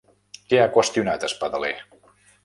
Què ha qüestionat Espadaler?